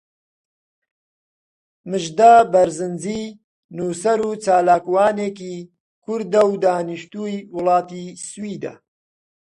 مژدە بەرزنجی نووسەر و چالاکوانێکی کوردە و دانیشتووی وڵاتی سویدە.